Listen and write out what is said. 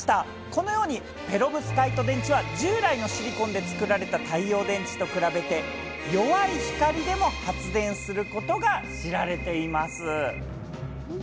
このように、ペロブスカイト電池は、従来のシリコンで作られた太陽電池と比べて、弱い光でも発電することが知られています。